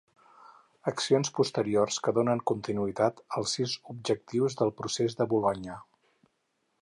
Accions posteriors que donen continuïtat als sis objectius del Procés de Bolonya